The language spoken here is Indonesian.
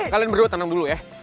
kalian berdua tanam dulu ya